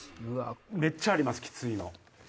めっちゃありますきついの。